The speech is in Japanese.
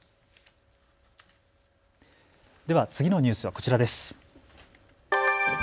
では、次のニュースはこちらです。